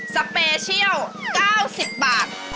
สเปเชียล๙๐บาท